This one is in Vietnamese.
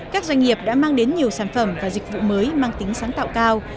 các doanh nghiệp đã mang đến nhiều sản phẩm và dịch vụ mới mang tính sáng tạo cao